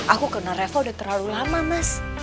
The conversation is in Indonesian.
aku kenal reva udah terlalu lama mas